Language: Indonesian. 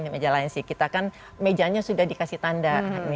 di meja lain kita kan mejanya sudah dikasih tanda